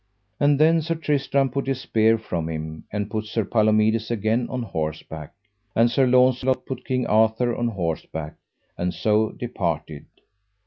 And then Sir Tristram put his spear from him, and put Sir Palomides again on horseback, and Sir Launcelot put King Arthur on horseback and so departed.